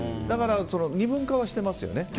だから二分化してますよね。